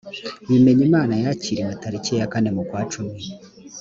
bimenyimana yakiriwe tariki ya kane mukwacumi